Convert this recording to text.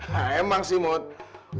hah emang sih muth